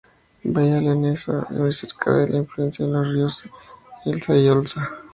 Villa leonesa muy cerca de la confluencia de los ríos Esla y Olza.